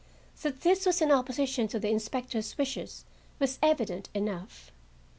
That this was in opposition to the inspector's wishes was evident enough.